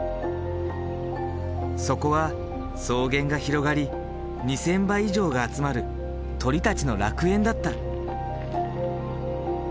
そこは草原が広がり２，０００羽以上が集まる鳥たちの楽園だった。